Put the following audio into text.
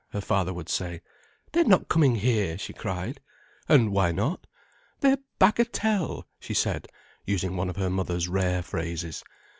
her father would say. "They're not coming here," she cried. "And why not?" "They're bagatelle," she said, using one of her mother's rare phrases.